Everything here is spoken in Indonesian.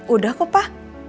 udah kok pak